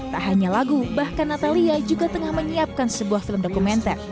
tak hanya lagu bahkan natalia juga tengah menyiapkan sebuah film dokumenter